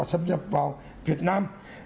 sắp nhập vào việt nam